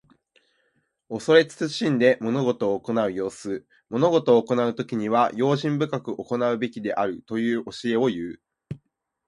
恐れ慎んで物事を行う様子。物事を行うときには、用心深く行うべきであるという教えをいう。